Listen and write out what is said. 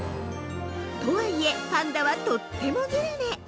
◆とはいえ、パンダはとってもグルメ！